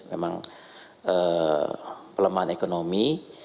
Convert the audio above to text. memang pelemahan ekonomi